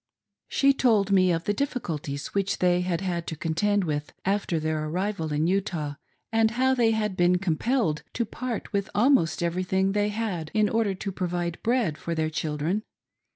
She told me of the difficulties which they had had to con tend with after their arrival in Utah, and how they had been conipelled to part with almost everything they had, in order to provide bread for theii' children.